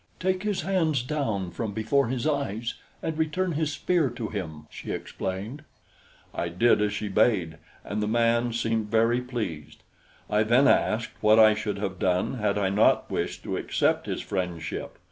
"Take his hands down from before his eyes and return his spear to him," she explained. I did as she bade, and the man seemed very pleased. I then asked what I should have done had I not wished to accept his friendship.